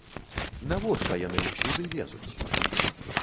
Навошта яны ўсюды лезуць?